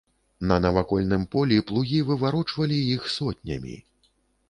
На навакольным полі плугі выварочвалі іх сотнямі.